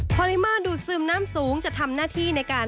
พอลิมาดูดซึมน้ำสูงจะทำหน้าที่ในการ